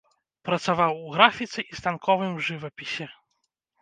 Працаваў у графіцы і станковым жывапісе.